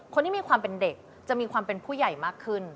คนที่มีความเป็นเด็กจะมีความเป็นผู้ใหญ่มากขึ้น